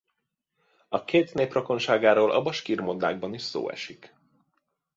A két nép rokonságáról a baskír mondákban is szó esik.